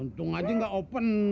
untung aja gak open